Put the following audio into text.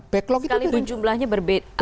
sekalipun jumlahnya berbeda